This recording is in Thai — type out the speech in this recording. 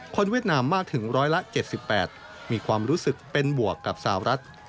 เวียดนามมากถึงร้อยละ๗๘มีความรู้สึกเป็นบวกกับสาวรัฐ